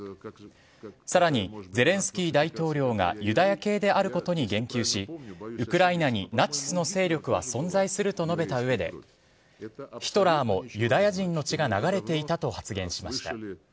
さらにゼレンスキー大統領がユダヤ系であることに言及し、ウクライナにナチスの勢力は存在すると述べたうえで、ヒトラーもユダヤ人の血が流れていたと発言しました。